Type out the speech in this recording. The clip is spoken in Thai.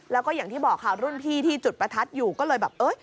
แล้วก็อย่างที่บอกค่ะรุ่นพี่ที่จุดประทัดอยู่ก็เลยแบบเอ้ย